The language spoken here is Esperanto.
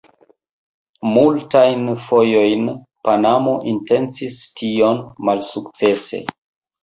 Multajn fojojn Panamo intencis tion, malsukcese.